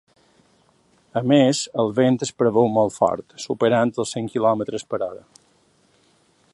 A més, el vent es preveu molt fort, superant els cent quilòmetres per hora.